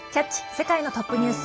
世界のトップニュース」。